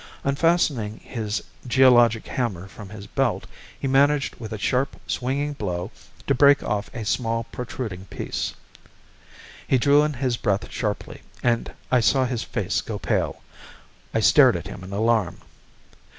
Unfastening his geologic hammer from his belt, he managed, with a sharp, swinging blow, to break off a small protruding piece. He drew in his breath sharply, and I saw his face go pale. I stared at him in alarm.